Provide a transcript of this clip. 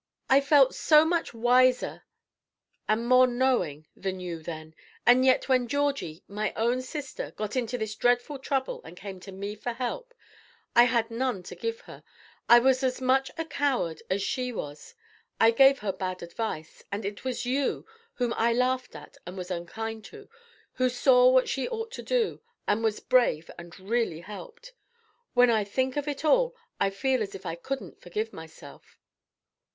I felt so much wiser and more knowing than you then; and yet when Georgie, my own sister, got into this dreadful trouble and came to me for help, I had none to give her. I was as much a coward as she was. I gave her bad advice; and it was you, whom I laughed at and was unkind to, who saw what she ought to do, and was brave and really helped. When I think of it all, I feel as if I couldn't forgive myself."